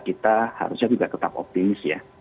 kita harusnya juga tetap optimis ya